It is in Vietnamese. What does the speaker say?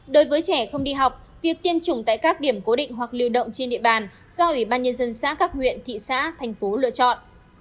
đối với trẻ không đi học việc tiêm chủng tại các điểm cố định hoặc lưu động trên địa bàn do ủy ban nhân dân xã các huyện thị xã thành phố lựa chọn